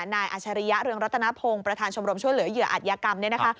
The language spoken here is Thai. อาชริยะเรืองรัตนพงศ์ประธานชมรมช่วยเหลือเหยื่ออัตยกรรมเนี่ยนะคะ